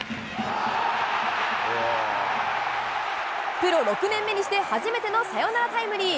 プロ６年目にして初めてのサヨナラタイムリー。